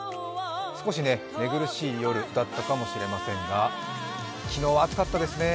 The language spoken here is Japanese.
少し寝苦しい夜だったかもしれませんが、昨日、暑かったですね。